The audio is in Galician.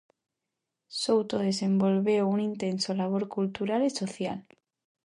Souto desenvolveu un intenso labor cultural e social.